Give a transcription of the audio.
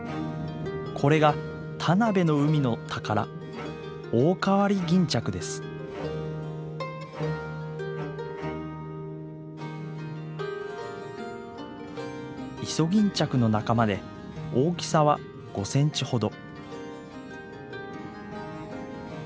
これが田辺の海の宝イソギンチャクの仲間で大きさは５センチほど。